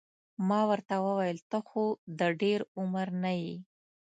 ما ورته وویل ته خو د ډېر عمر نه یې.